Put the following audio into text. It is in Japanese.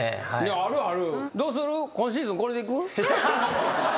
あるある。